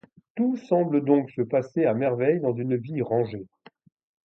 Tout semble donc se passer à merveille dans une vie rangée.